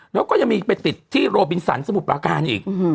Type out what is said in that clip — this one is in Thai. แล้วก็ยังมีไปติดที่โรบินสันสมุทรปราการอีก